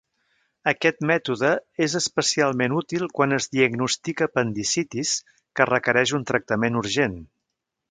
Aquest mètode es especialment útil quan es diagnostica apendicitis que requereix un tractament urgent.